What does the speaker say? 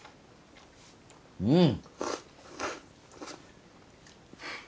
うん！